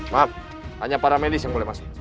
maaf hanya para medis yang boleh masuk